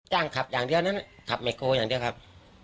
ขับอย่างเดียวนั้นขับไม่โกอย่างเดียวครับ